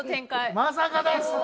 まさかです！